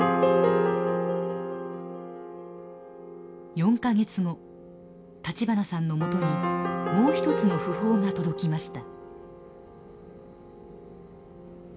４か月後立花さんのもとにもう一つの訃報が届きました。